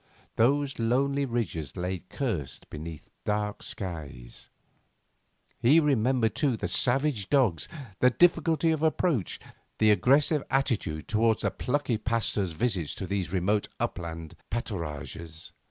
Those lonely ridges lay cursed beneath dark skies. He remembered, too, the savage dogs, the difficulty of approach, the aggressive attitude towards the plucky Pasteur's visits to these remote upland pâturages.